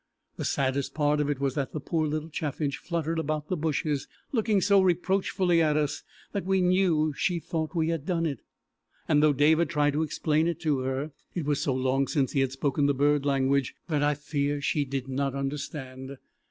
The saddest part of it was that the poor little chaffinch fluttered about the bushes, looking so reproachfully at us that we knew she thought we had done it, and though David tried to explain to her, it was so long since he had spoken the bird language that I fear she did not understand.